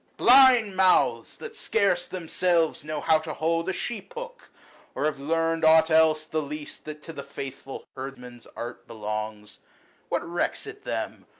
Blind mouths ! that scarce themselves know how to hold A sheep hook, or have learnt aught else the least 120 That to the faithful herdman's art belongs ! What recks it them